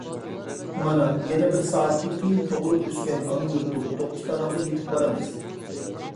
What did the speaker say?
مانا يەنە بىر سائەتتىن كېيىن تۇغۇلۇپ ئۆسكەن ئانا يۇرتۇم توققۇزتاراغا يېتىپ بارىمىز.